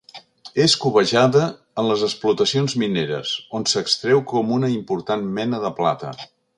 És cobejada en les explotacions mineres, on s'extreu com una important mena de plata.